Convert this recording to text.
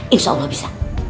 insya allah bisa